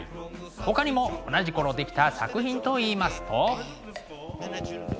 ほかにも同じ頃出来た作品といいますと。